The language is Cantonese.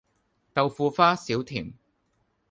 豆腐花少甜